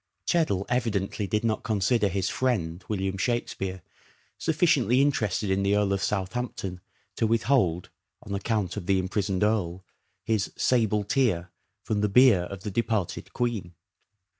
Cheddle evidently did not consider his " friend," William Shakspere, sufficiently interested in the Earl of Southampton to withold, on account of the imprisoned earl, his " sable tear" from the bier of the departed Queen.